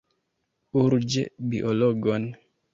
Urĝe biologon!